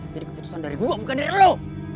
jadi keputusan dari gue bukan dari lo